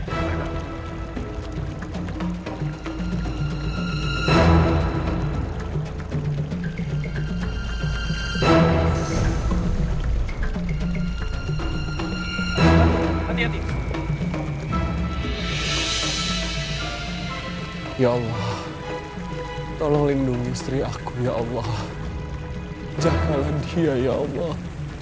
hati hati ya allah tolong lindungi istri aku ya allah jagalah dia ya allah